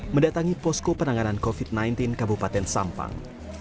mendatangi posko penanganan covid sembilan belas kabupaten sampang